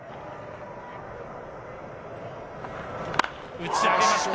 打ち上げました。